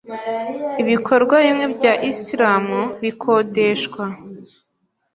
Ibikorwa bimwe bya Islam bikodeshwa,